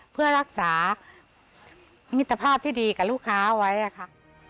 เพื่อรักษามิตรภาพที่ดีกับลูกค้าไว้ค่ะ